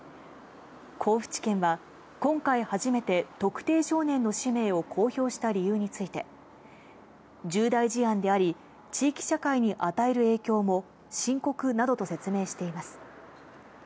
甲府地検は、今回初めて特定少年の氏名を公表した理由について、重大事案であり、地域社会に与える影響も深刻などと説明しています。